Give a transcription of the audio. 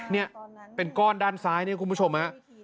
นี่เป็นก้อนด้านซ้ายเนี่ยคุณผู้ชมฮะ